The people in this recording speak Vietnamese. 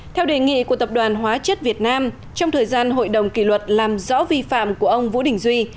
theo đề nghị của tập đoàn hóa chất việt nam trong thời gian hội đồng kỷ luật làm rõ vi phạm của ông vũ đình duy